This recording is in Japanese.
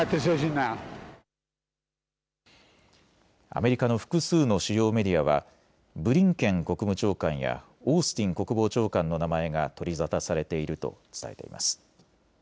アメリカの複数の主要メディアはブリンケン国務長官やオースティン国防長官の名前が取り沙汰されていると伝えています。